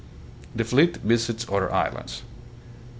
The Fleet Visits Other Islands.